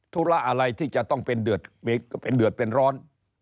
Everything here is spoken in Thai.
ธุระอะไรที่จะต้องเป็นเดือดเป็นร้อน